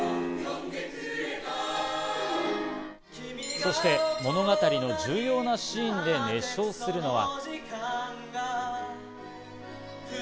そして物語の重要なシーンで熱唱するのは。